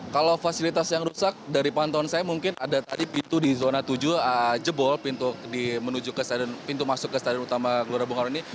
kalau fasilitas yang rusak dari pantauan saya mungkin ada tadi pintu di zona tujuh jebol pintu masuk ke stadion utama gelora bung karno ini